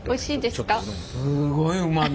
すごいうまみ。